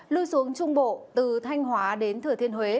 lui xuống trung bộ từ thanh hóa đến thừa thiên huế